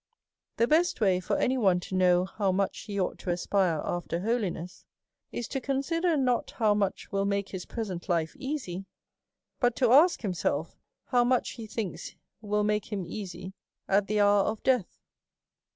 The best way for any one to know how much he ought to aspire after holiness, is to consider not how much will make his present life easy ; but to ask him self how much he thinks will make him easy at the hour of death.